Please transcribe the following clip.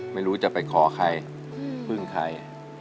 ไม่รู้จะไปขอใครพึ่งใคร